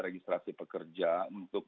registrasi pekerja untuk